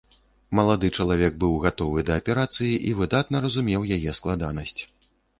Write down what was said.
Малады чалавек быў гатовы да аперацыі і выдатна разумеў яе складанасць.